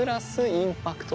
「インパクト」